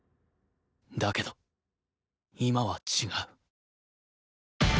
だけど今は違う